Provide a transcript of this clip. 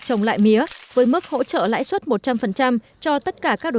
thu hoạch vận chuyển